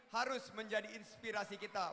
harus menjadi inspirasi kita